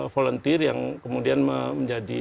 volunteer yang kemudian menjadi